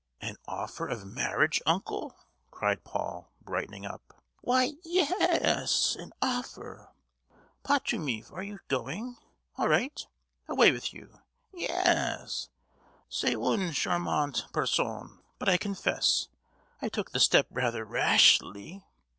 "An offer of marriage, uncle?" cried Paul, brightening up. "Why, ye—yes! an offer. Pachomief, are you going? All right! Away with you! Ye—yes, c'est une charmante personne. But I confess, I took the step rather rash—ly.